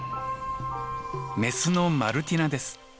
メスのマルティナです。